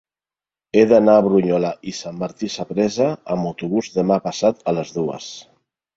He d'anar a Brunyola i Sant Martí Sapresa amb autobús demà passat a les dues.